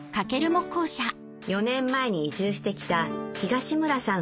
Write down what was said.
４年前に移住してきた東村さん